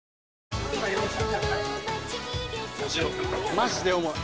マジで重い。